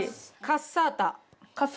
カッサータ。